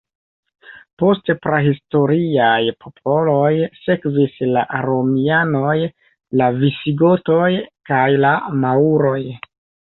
Post prahistoriaj popoloj sekvis la Romianoj, la Visigotoj kaj la Maŭroj.